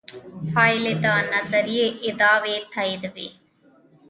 پایلې د نظریې ادعاوې تاییدوي.